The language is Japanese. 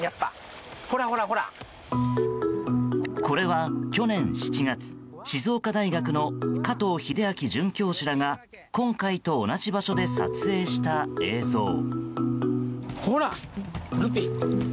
これは、去年７月静岡大学の加藤英明准教授らが今回と同じ場所で撮影した映像。